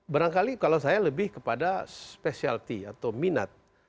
barangkali kalau saya lebih kepada specialty atau minat